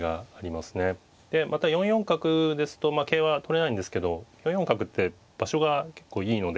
でまた４四角ですと桂は取れないんですけど４四角って場所が結構いいので。